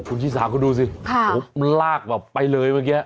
คุณชิสาคุณดูสิผมลากแบบไปเลยเมื่อกี้